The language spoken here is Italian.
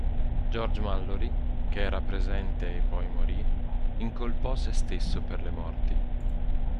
George Mallory, che era presente e poi morì, incolpò se stesso per le morti.